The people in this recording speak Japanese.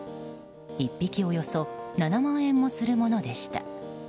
１匹およそ７万円もするものでした。